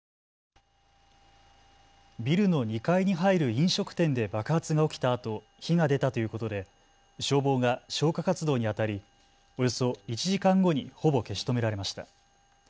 ビルの２階に入る飲食店で爆発が起きたあと火が出たということで消防が消火活動にあたりおよそ１時間後にほぼ消し止められました。